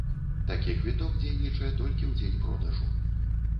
Такі квіток дзейнічае толькі ў дзень продажу.